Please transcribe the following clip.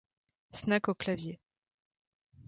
Snack au clavier.